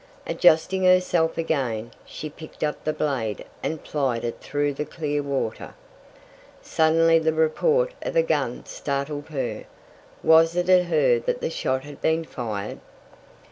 Adjusting herself again, she picked up the blade and plied it through the clear water. Suddenly the report of a gun startled her! Was it at her that the shot had been fired?